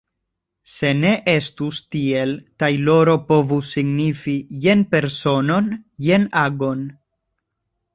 Se ne estus tiel, tajloro povus signifi jen personon, jen agon.